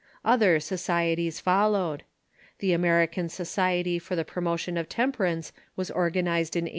Other societies followed. The American Society for the Promotion of Temperance was organized in 1826.